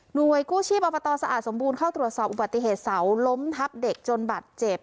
โดยกู้ชีพอบตสะอาดสมบูรณ์เข้าตรวจสอบอุบัติเหตุเสาล้มทับเด็กจนบัตรเจ็บ